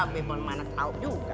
bebon mana tau juga